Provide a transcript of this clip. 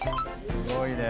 すごいね。